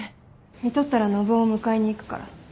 みとったら信男を迎えに行くから。